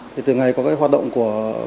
thì từ ngày có cái hoạt động của công an